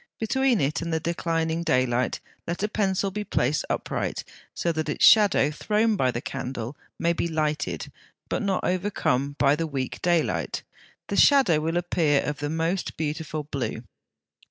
Between it and the declining daylight let a pencil be placed upright, so that its shadow thrown by the candle may be lighted, but not overcome, by the weak daylight: the shadow will appear of the most beautiful blue.